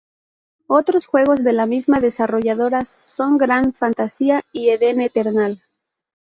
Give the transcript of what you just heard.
Otros juegos de la misma desarrolladora son Grand Fantasia y Eden Eternal.